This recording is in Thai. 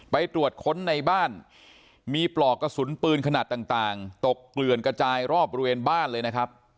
ไปตรวจค้นในบ้านมีปลอกกระสุนปืนขนาดต่างตกเกลื่อนกระจายรอบบริเวณบ้านเลยนะครับ